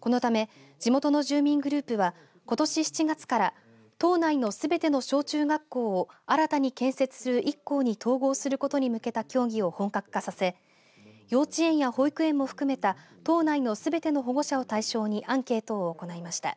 このため、地元の住民グループはことし７月から島内のすべての小中学校新たに建設する１校に統合することに向けた協議を本格化させ幼稚園や保育園も含めた党内のすべての保護者にアンケートを行いました。